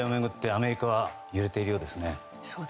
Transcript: アメリカは揺れているようです。